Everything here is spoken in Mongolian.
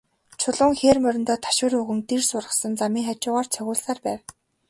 Чулуун хээр мориндоо ташуур өгөн, дэрс ургасан замын хажуугаар цогиулсаар байв.